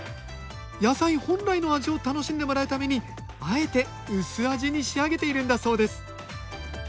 野菜本来の味を楽しんでもらうためにあえて薄味に仕上げているんだそうです